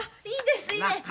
いいですね。